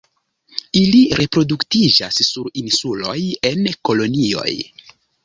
Ili reproduktiĝas sur insuloj en kolonioj.